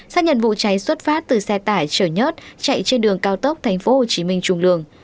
xác nhận vụ cháy xuất phát từ xe tải chở nhớt chạy trên đường cao tốc tp hcm trùng đường